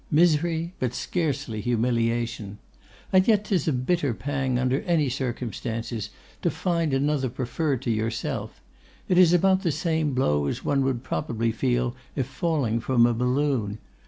Misery, but scarcely humiliation. And yet 'tis a bitter pang under any circumstances to find another preferred to yourself. It is about the same blow as one would probably feel if falling from a balloon.